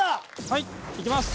はいいきます！